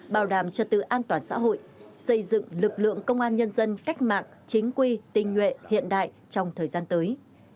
bảo đảm trật tự an toàn xã hội xây dựng lực lượng công an nhân dân cách mạng chính quy tinh nhuệ hiện đại trong thời gian tới